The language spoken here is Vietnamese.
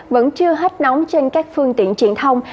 vẫn chưa hết nóng trên các phương tiện truyền thông